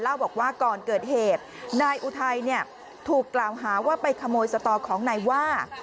เล่าบอกว่าก่อนเกิดเหตุนายอุทัยเนี่ยถูกกล่าวหาว่าไปขโมยสตอของนายว่า